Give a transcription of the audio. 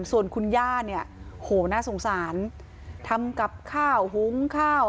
ส่วนคุณย่าเนี่ยโหน่าสงสารทำกับข้าวหุ้งข้าว